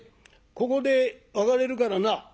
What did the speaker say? ここで別れるからな」。